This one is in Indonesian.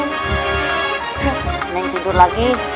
neng tidur lagi